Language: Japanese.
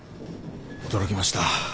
驚きました。